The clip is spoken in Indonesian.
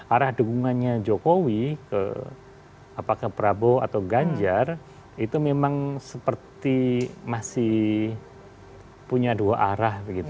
arah dukungannya jokowi ke apakah prabowo atau ganjar itu memang seperti masih punya dua arah begitu